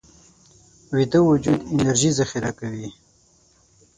ویده وجود انرژي ذخیره کوي